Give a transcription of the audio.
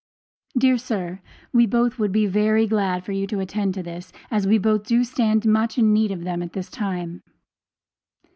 Dear sir, we both would be very glad for you to attend to this, as we both do stand very much in need of them at this time.